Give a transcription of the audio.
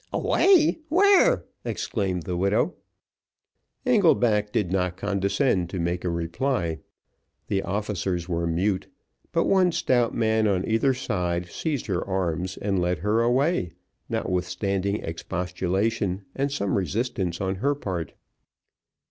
"Away! where?" exclaimed the widow. Engelback did not condescend to make a reply. The officers were mute; but one stout man on either side seized her arm and led her away, notwithstanding expostulation, and some resistance on her part.